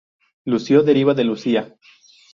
Lucio deriva de Lucía.